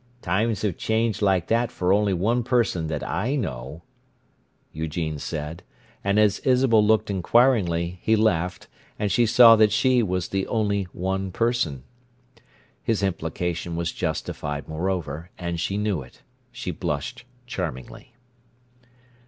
"Times have changed like that for only one person that I know," Eugene said. And as Isabel looked inquiring, he laughed, and she saw that she was the "only one person." His implication was justified, moreover, and she knew it. She blushed charmingly.